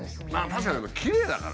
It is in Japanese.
確かにきれいだからね。